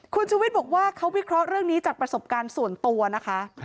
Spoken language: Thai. คุณชุวิตบอกว่าเขาวิเคราะห์เรื่องนี้จากประสบการณ์ส่วนตัวนะคะ